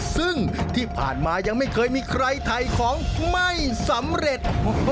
ซึ่งที่ผ่านมายังไม่เคยมีใครถ่ายของไม่สำเร็จ